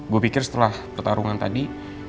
gue pikir setelah pertarungan tadi